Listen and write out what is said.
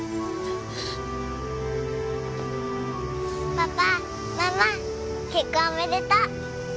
パパママ結婚おめでとう！